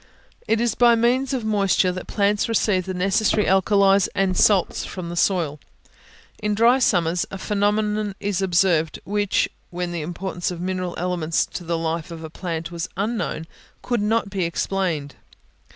It is by means of moisture that plants receive the necessary alkalies and salts from the soil. In dry summers a phenomenon is observed, which, when the importance of mineral elements to the life of a plant was unknown, could not be explained.